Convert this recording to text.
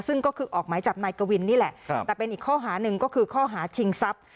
ซึ่งก็คือออกหมายจับนายกวินนี่แหละแต่เป็นอีกข้อหาหนึ่งก็คือข้อหาชิงทรัพย์